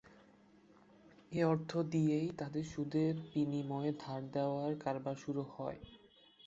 এ অর্থ দিয়েই তাদের সুদের বিনিময়ে ধার দেওয়ার কারবার শুরু হয়।